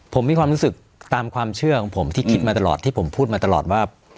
ผมมีความรู้สึกตามความเชื่อของผมที่คิดมาตลอดที่ผมพูดมาตลอดว่า